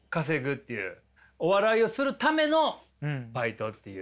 お笑いをするためのバイトっていう。